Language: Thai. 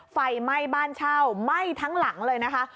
ไฟไหม้บ้านเช่าไหม้ทั้งหลังเลยนะคะ